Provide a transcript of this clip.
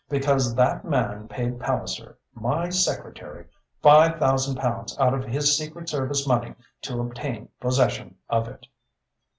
"Because that man paid Palliser, my secretary, five thousand pounds out of his secret service money to obtain possession of it."